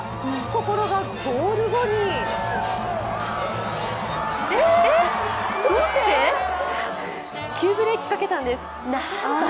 ところがゴール後に急ブレーキかけたんです。